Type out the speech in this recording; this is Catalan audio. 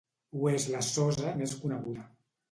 Ho és la sosa més coneguda.